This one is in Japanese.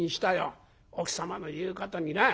奥様の言うことにな」。